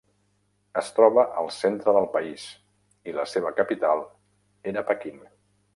Es troba al centre del país i la seva capital era Peqin.